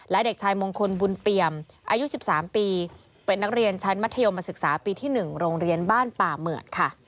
และเด็กชายมงคลบุญเปี่ยมอายุ๑๓ปีเป็นนักเรียนชั้นมัธยมศึกษาปีที่๑โรงเรียนบ้านป่าเหมือดค่ะ